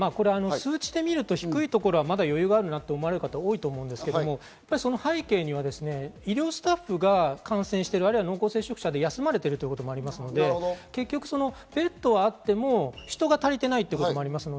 数字で見ると低いところは余裕があるなと思う方多いと思いますが、その背景には医療スタッフが感染している、濃厚接触者で休まれているということもありますので、ベッドはあっても人が足りていないということもあります。